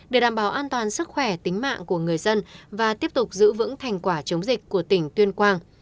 để đảm bảo an toàn sức khỏe tính mạng của người dân và tiếp tục giữ vững thành quả chống dịch của tỉnh tuyên quang